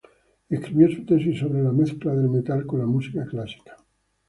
Escribió su tesis sobre la mezcla del metal con la música clásica.